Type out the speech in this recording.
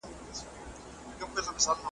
که منلې شل کلنه مي سزا وای .